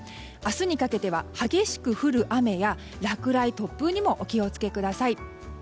明日にかけては激しく降る雨や落雷、突風にもお気を付けください。